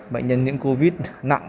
bệnh nhân những covid nặng